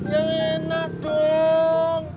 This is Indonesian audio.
yang enak dong